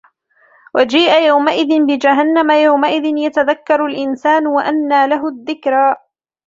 وَجِيءَ يَوْمَئِذٍ بِجَهَنَّمَ يَوْمَئِذٍ يَتَذَكَّرُ الْإِنْسَانُ وَأَنَّى لَهُ الذِّكْرَى